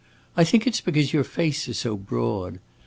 I think it 's because your face is so broad.